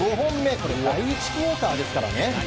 これ第１クオーターですからね。